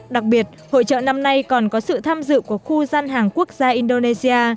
đặc biệt hội trợ năm nay còn có sự tham dự của khu gian hàng quốc gia indonesia